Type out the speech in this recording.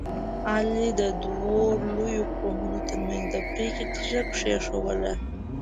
علي د دوو لویو قومونو ترمنځ د پرېکړې تیږه کېښودله.